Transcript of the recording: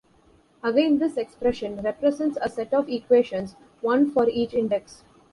Again this expression represents a set of equations, one for each index.